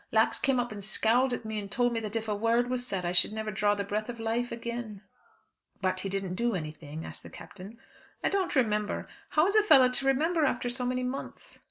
Lax came up and scowled at me, and told me that if a word was said I should never draw the breath of life again." "But he didn't do anything?" asked the Captain. "I don't remember. How is a fellow to remember after so many months?"